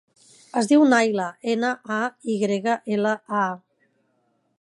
Es diu Nayla: ena, a, i grega, ela, a.